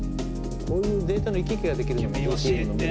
こういうデータの行き来ができるのもＤＴＭの魅力ですね。